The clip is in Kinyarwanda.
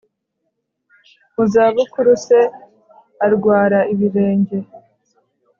mu za bukuru se arwara ibirenge